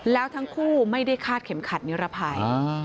แล้วทั้งคู่ไม่ได้คาดเข็มขัดนิรภัย